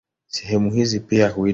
Sehemu hizi pia huitwa rasi.